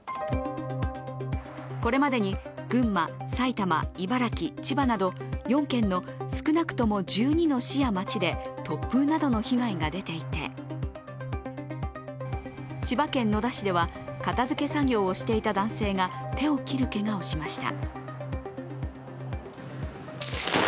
これまでに、群馬、埼玉、茨城、千葉など４県の少なくとも１２の市や町で突風などの被害が出ていて千葉県野田市では、片づけ作業をしていた男性が手を切るけがをしました。